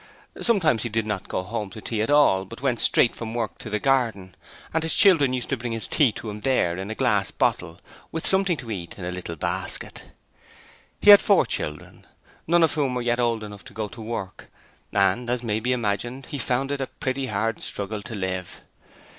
Sometimes he did not go home to tea at all, but went straight from work to the garden, and his children used to bring his tea to him there in a glass bottle, with something to eat in a little basket. He had four children, none of whom were yet old enough to go to work, and as may be imagined, he found it a pretty hard struggle to live.